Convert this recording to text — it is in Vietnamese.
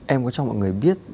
em có cho mọi người biết